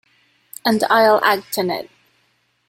And I'll act in it.